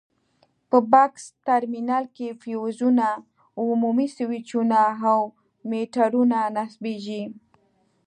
په بکس ترمینل کې فیوزونه، عمومي سویچونه او میټرونه نصبېږي.